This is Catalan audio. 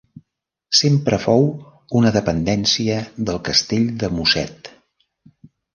Sempre fou una dependència del Castell de Mosset.